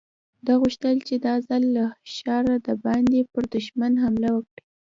ده غوښتل چې دا ځل له ښاره د باندې پر دښمن حمله وکړي.